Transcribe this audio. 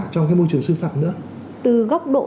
trong cái môi trường sư phạm nữa từ góc độ